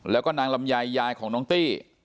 แล้วก็นางลำไยยายของน้องตี้